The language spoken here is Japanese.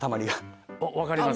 分かります？